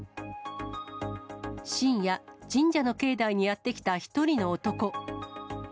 深夜、神社の境内にやって来た１人の男。